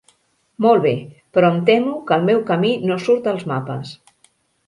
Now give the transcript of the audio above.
Molt bé, però em temo que el meu camí no surt als mapes.